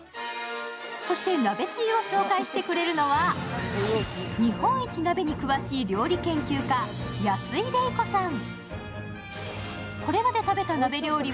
そして鍋つゆを紹介してくれるのは、日本一鍋に詳しい料理研究家、安井レイコさん。